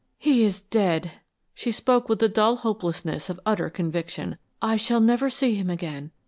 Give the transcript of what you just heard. "He is dead." She spoke with the dull hopelessness of utter conviction. "I shall never see him again.